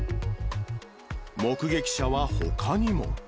目撃者はほかにも。